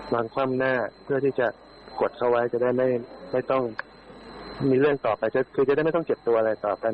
คว่ำหน้าเพื่อที่จะกดเขาไว้จะได้ไม่ต้องมีเรื่องต่อไปก็คือจะได้ไม่ต้องเจ็บตัวอะไรต่อกัน